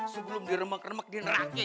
sebelum diremek remek di neraknya ya